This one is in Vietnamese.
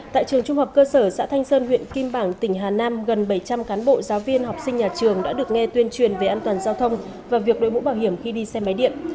tại trường trung học cơ sở xã thanh sơn huyện kim bảng tỉnh hà nam gần bảy trăm linh cán bộ giáo viên học sinh nhà trường đã được nghe tuyên truyền về an toàn giao thông và việc đội mũ bảo hiểm khi đi xe máy điện